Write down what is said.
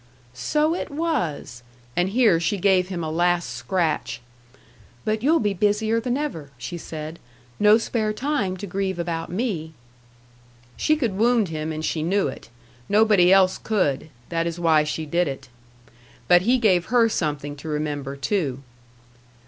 "So it was!" And here she gave him a last scratch. "But you'll be busier than ever," she said; "no spare time to grieve about me!" She could wound him, and she knew it. Nobody else could. That is why she did it. But he gave her something to remember, too.